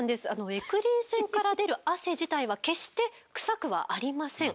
エクリン腺から出る汗自体は決して臭くはありません。